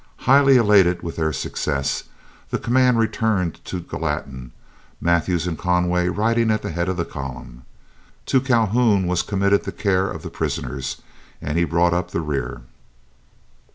Highly elated with their success, the command returned to Gallatin, Mathews and Conway riding at the head of the column. To Calhoun was committed the care of the prisoners, and he brought up the rear.